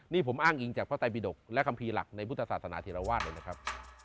นี่ผมอ้างอิงจากพระไตบิดกและคัมภีร์หลักในพุทธศาสนาธิรวาสเลยนะครับ